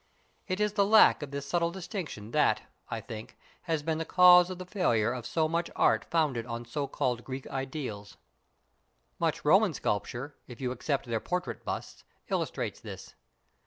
It is the lack of this subtle distinction that, I think, has been the cause of the failure of so much art founded on so called Greek ideals. Much Roman sculpture, if you except their portrait busts, illustrates this.